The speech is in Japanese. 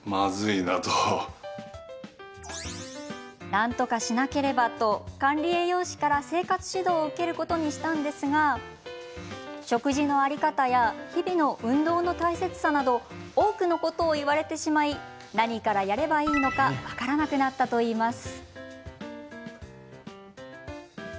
なんとかしなければと管理栄養士から生活指導を受けることにしたんですが食事の在り方や日々の運動の大切さなど多くのことを言われてしまい何からやればいいのか分からなくなったといいます。